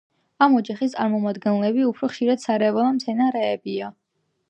ამ ოჯახის წარმომადგენლები უფრო ხშირად სარეველა მცენარეებია.